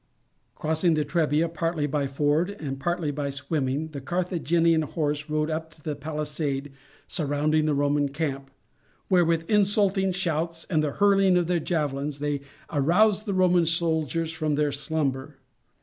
Crossing the Trebia partly by ford and partly by swimming, the Carthaginian horse rode up to the palisade surrounding the Roman camp, where, with insulting shouts and the hurling of their javelins, they aroused the Roman soldiers from their slumber.